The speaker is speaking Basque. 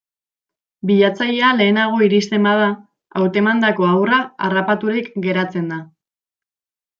Bilatzailea lehenago iristen bada, hautemandako haurra harrapaturik geratzen da.